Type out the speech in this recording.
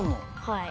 はい。